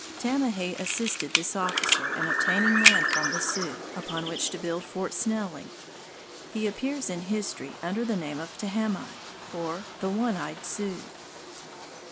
Tamahay assisted this officer in obtaining land from the Sioux upon which to build Fort Snelling. He appears in history under the name of "Tahamie" or the "One Eyed Sioux."